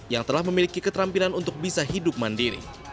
yang telah memiliki keterampilan untuk bisa hidup mandiri